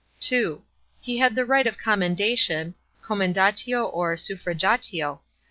(2) He had the riy; ht of com mendation (commtndatio or suffragatio).